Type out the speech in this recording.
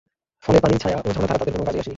ফলে পানি, ছায়া ও ঝর্ণাধারা তাদের কোন কাজেই আসেনি।